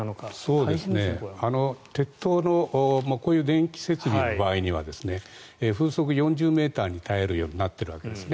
こういう電気設備の場合には風速４０ｍに耐えるようになっているわけですね。